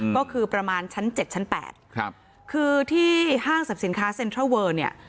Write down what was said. ก็คือประมาณชั้นเจ็ดชั้นแปดครับคือที่ห้างสรรพสินค้าเซ็นทรัลเวอร์เนี่ย